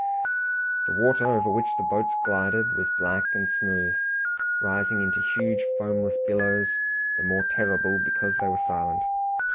The water over which the boats glided was black and smooth, rising into huge foamless billows, the more terrible because they were silent.